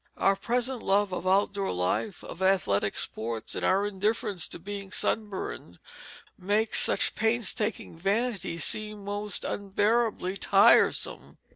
Our present love of outdoor life, of athletic sports, and our indifference to being sunburned, makes such painstaking vanity seem most unbearably tiresome.